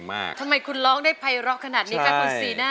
ทำไมคุณร้องได้ไพร็อ๊กขนาดนี้ครับ